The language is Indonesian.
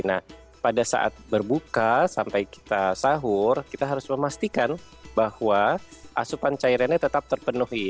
nah pada saat berbuka sampai kita sahur kita harus memastikan bahwa asupan cairannya tetap terpenuhi